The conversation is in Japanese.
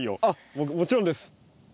あっもちろんです。